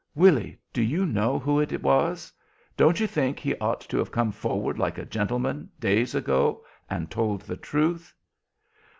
Willy, do you know who it was? Don't you think he ought to have come forward like a gentleman, days ago, and told the truth?